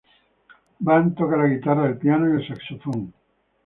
Band toca la guitarra, el piano y el saxofón.